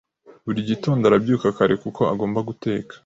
Buri gitondo arabyuka kare kuko agomba guteka.